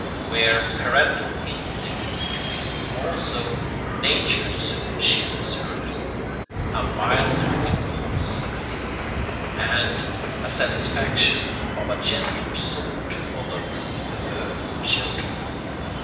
Where parental instincts exist also, nature soon shifts her loom: a milder impulse succeeds, and a satisfaction of a gentler sort follows in the birth of children.